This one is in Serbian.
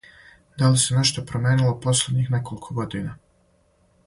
Да ли се нешто променило последњих неколико година?